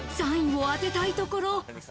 ３位を当てたいところ。